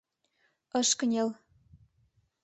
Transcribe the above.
Ыш кынел.